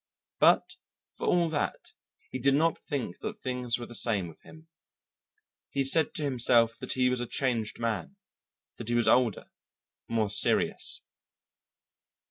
But for all that he did not think that things were the same with him. He said to himself that he was a changed man; that he was older, more serious.